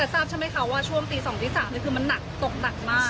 หรอแต่ทราบใช่ไหมคะว่าช่วงปีสองที่สามนี่คือมันหนักตกหนักมาก